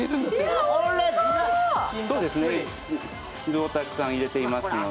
そうですね、具をたくさん入れていますので。